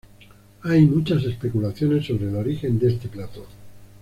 Hay muchas especulaciones sobre el origen de este plato.